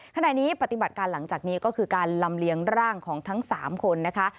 ขณะนี้ปฏิบัติการหลังจากนี้ก็คือการลำเลียงร่างของทั้ง๓คนนะคะ